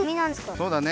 そうだね